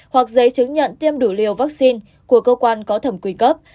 hoặc giấy chứng nhận tiêm đủ liều vaccine của cơ quan có thẩm quyền cấp